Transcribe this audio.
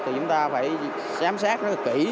thì chúng ta phải sám sát rất là kỹ